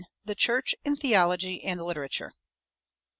THE CHURCH IN THEOLOGY AND LITERATURE.